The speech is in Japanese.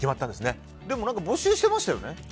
でも、募集してましたよね。